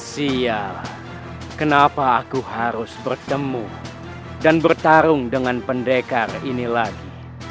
sia kenapa aku harus bertemu dan bertarung dengan pendekar ini lagi